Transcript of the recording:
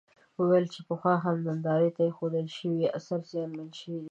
وویل چې پخوا هم نندارې ته اېښودل شوي اثار زیانمن شوي دي.